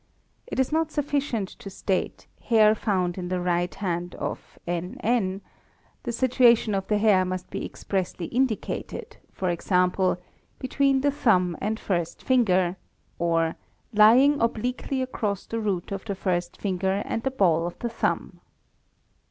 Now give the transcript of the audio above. It is not sufficient to state:— "hair found in the right hand of N. N.", the situation of the hair must be _ expressly indicated, e.g., "" between the thumb and first finger," or "lying obliquely across the root of the first finger and the ball of the thumb."